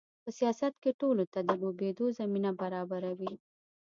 په سیاست کې ټولو ته د لوبېدو زمینه برابروي.